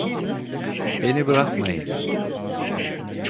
Beni bırakmayın!